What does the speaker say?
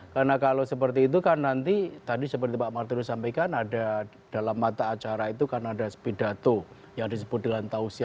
karena kalau seperti itu kan nanti tadi seperti pak martiru sampaikan ada dalam mata acara itu kan ada sepedato yang disebut dengan tausia